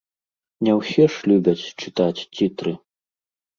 Не ўсе ж любяць чытаць цітры.